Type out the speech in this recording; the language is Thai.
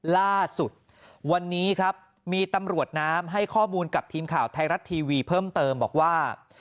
ล่าสุดวันนี้ครับมีตำรวจน้ำให้ข้อมูลกับทีมข่าวไทยรัฐทีวีเพิ่มเติมบอกว่า